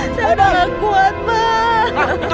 saya tak kuat pak